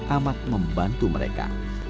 amat membantu mereka